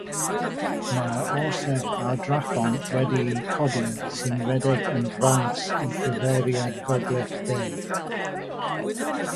Mae'r orsaf ar draphont wedi'i chodi sy'n rhedeg yn fras i gyfeiriad gogledd-de.